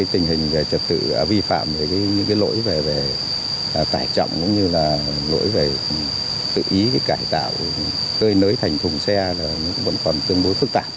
tình hình trật tự vi phạm những lỗi về tải trọng cũng như lỗi về tự ý cải tạo cây nới thành thùng xe vẫn còn tương đối phức tạp